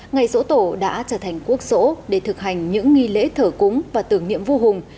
ngày sổ tổ đã trở thành quốc sổ để thực hành những nghi lễ thở cúng và tưởng niệm vua hùng